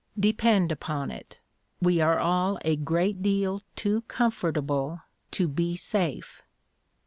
Depend upon it, we are all a great deal too comfortable to be safe.